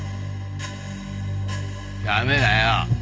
駄目だよ。